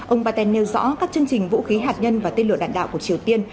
ông paten nêu rõ các chương trình vũ khí hạt nhân và tên lửa đạn đạo của triều tiên